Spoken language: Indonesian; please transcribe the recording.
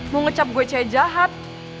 mau ngecap gue saya jahat